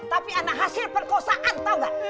tapi anak hasil perkosaan tau gak